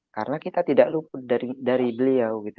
karena kita tidak luput dari beliau gitu